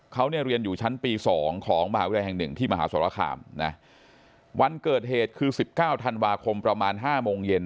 เขาเนี่ยเรียนอยู่ชั้นปี๒ของมหาวิทยาลัยแห่งหนึ่งที่มหาสรคามนะวันเกิดเหตุคือ๑๙ธันวาคมประมาณ๕โมงเย็น